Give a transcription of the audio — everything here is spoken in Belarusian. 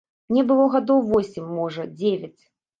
Мне было гадоў восем, можа, дзевяць.